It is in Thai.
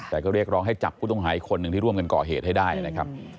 แต่ก็เรียกร้องให้จับผู้ต้องหาอีกคนหนึ่งที่ร่วมกันก่อเหตุให้ได้นะครับ